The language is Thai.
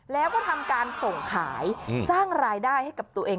แล้วก็ทำการส่งขายสร้างรายได้ให้กับตัวเอง